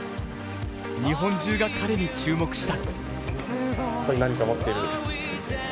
日本中が彼に注目した。